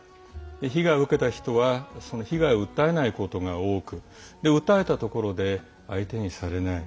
被害を受けた人はその被害を訴えないことが多く訴えたところで相手にされない。